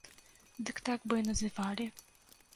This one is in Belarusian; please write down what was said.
Дык так бы і называлі!